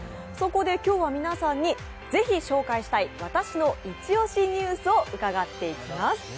そこで今日は皆さんに、ぜひ紹介したい私のイチオシニュースを伺っていきます。